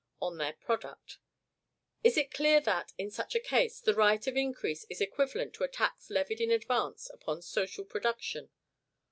on their product. It is clear that, in such a case, the right of increase is equivalent to a tax levied in advance upon social production.